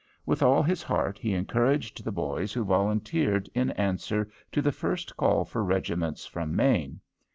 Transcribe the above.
With all his heart he encouraged the boys who volunteered in answer to the first call for regiments from Maine.